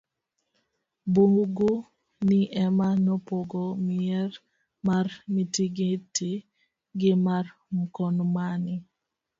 bungu ni ema nopogo mier mar Mtingiti gi mar Mkomani